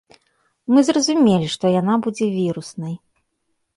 Мы зразумелі, што яна будзе віруснай.